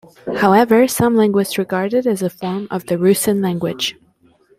However, some linguists regard it as a form of the Rusyn language.